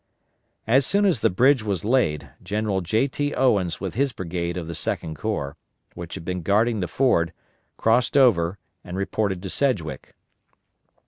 As soon as the bridge was laid, General J. T. Owens with his brigade of the Second Corps, which had been guarding the ford, crossed over and reported to Sedgwick.